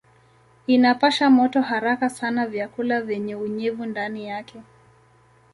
Inapasha moto haraka sana vyakula vyenye unyevu ndani yake.